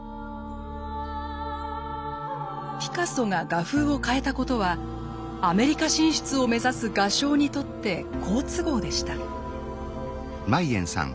ピカソが画風を変えたことはアメリカ進出を目指す画商にとって好都合でした。